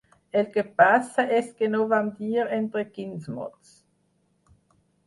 El que passa és que no vam dir entre quins mots.